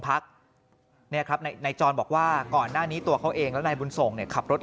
พักในจรบอกว่าก่อนหน้านี้ตัวเขาเองแล้วนายบุญส่งขับรถ